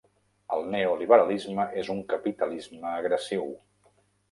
El neoliberalisme és un capitalisme agressiu.